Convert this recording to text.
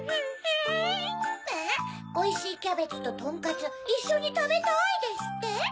「おいしいキャベツととんかついっしょにたべたい」ですって？